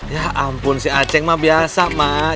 ya ampun si aceh mak biasa mak